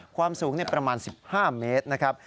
ความสูงประมาณ๑๕เมตรนะครับ